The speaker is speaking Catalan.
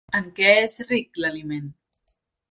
En què és ric l'aliment?